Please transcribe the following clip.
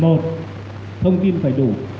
một thông tin phải đủ